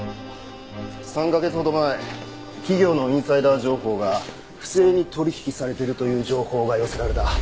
３カ月ほど前企業のインサイダー情報が不正に取引されているという情報が寄せられた。